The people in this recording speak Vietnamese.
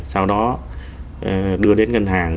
sau đó đưa đến ngân hàng